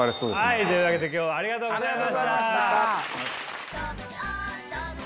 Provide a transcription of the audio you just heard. はいというわけで今日はありがとうございました。